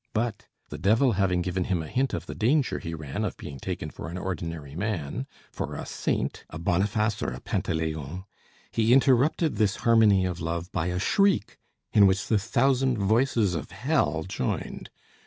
But, the devil having given him a hint of the danger he ran of being taken for an ordinary man, for a saint, a Boniface or a Pantaléon, he interrupted this harmony of love by a shriek in which the thousand voices of hell joined.